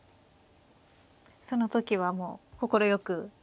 その時はもう快く。